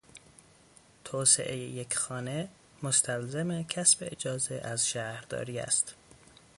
توسعهی یک خانه مستلزم کسب اجازه از شهرداری است.